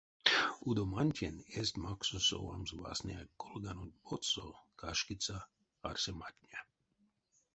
Удомантень эзть максо совамс васняяк колганонть потсо кашкиця арсематне.